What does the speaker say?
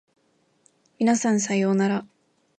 皆さんさようなら